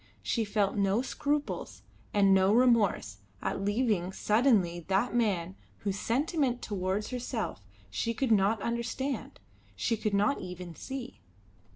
She felt no scruples and no remorse at leaving suddenly that man whose sentiment towards herself she could not understand, she could not even see.